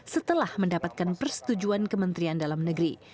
setelah mendapatkan persetujuan kementerian dalam negeri